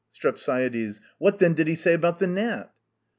STREPSIADES. And what did he say about the gnat?